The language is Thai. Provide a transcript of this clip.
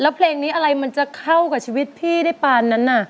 แล้วเพลงนี้อะไรมันจะเข้ากับชีวิตพี่ได้ปานนั้นน่ะ